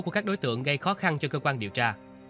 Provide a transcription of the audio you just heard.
của các đối tượng gây khó khăn cho cơ quan điều tra